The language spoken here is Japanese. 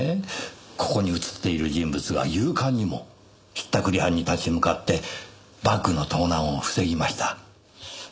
ここに映っている人物が勇敢にもひったくり犯に立ち向かってバッグの盗難を防ぎました。